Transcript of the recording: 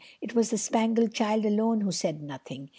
It was the Spangled Child alone who said nothing.